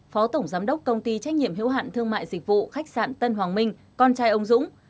phó tổng giám đốc công ty trách nhiệm hữu hạn thương mại dịch vụ khách sạn tân hoàng minh con trai ông dũng